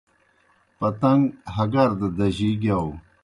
پتݩگ ہگار دہ دجِی گِیاؤ۔